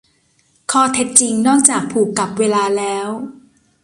ข้อเท็จจริง นอกจากผูกกับเวลาแล้ว